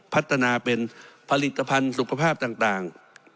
พัฒนาเป็นผลิตภัณฑ์สุขภาพต่าง